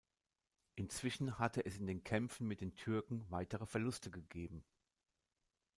Inzwischen hatte es in den Kämpfen mit den Türken weitere Verluste gegeben.